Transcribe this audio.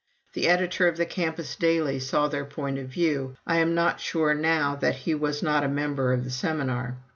The editor of the campus daily saw their point of view I am not sure now that he was not a member of the seminar.